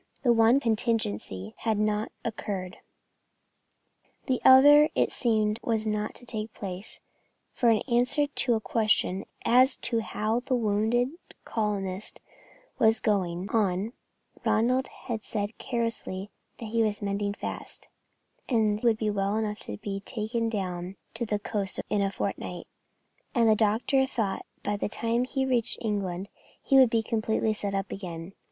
The one contingency had not occurred. The other it seemed was not to take place, for in answer to a question as to how the wounded colonist was going on, Ronald had said carelessly that he was mending fast, and would be well enough to be taken down to the coast in a fortnight, and that the doctor thought by the time he reached England he would be completely set up again.